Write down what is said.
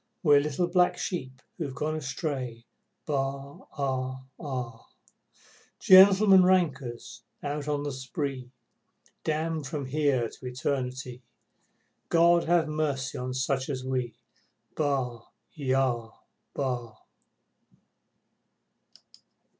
We're little black sheep who've gone astray, Baa aa aa! Gentlemen rankers out on the spree, Damned from here to Eternity, God ha' mercy on such as we, Baa! Yah! Bah!